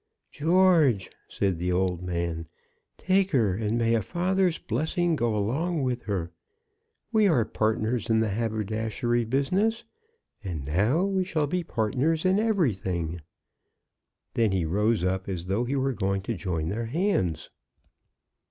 "George," said the old man, "take her, and may a father's blessing go along with her. We are partners in the haberdashery business, and now we shall be partners in everything." Then he rose up, as though he were going to join their hands.